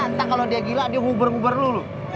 entah kalau dia gila dia uber uber lu